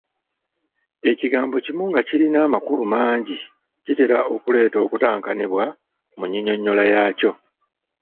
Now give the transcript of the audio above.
Ekigambo kimu nga kirina amakulu mangi kitera okuleeta okutankanibwa mu nnyinnyonnyola yaakyo.